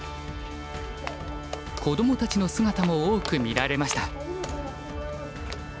子どもたちの姿も多く見られました。